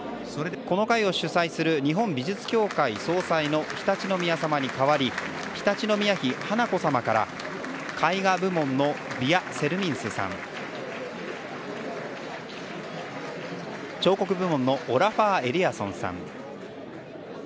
この会を主宰する日本美術協会総裁の常陸宮さまに代わり常陸宮妃華子さまから絵画部門のヴィヤ・セルミンスさん彫刻部門のオラファー・エリアソンさん